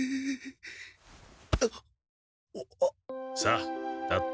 あっ。